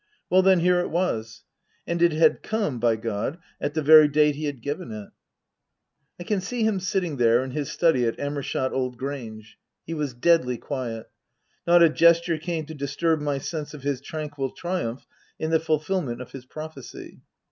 Well then, here it was. And it had come, by God, at the very date he had given it. I can see him sitting there in his study at Amershott Old Grange. He was deadly quiet. Not a gesture came to disturb my sense of his tranquil triumph in the fulfil ment of his prophecy.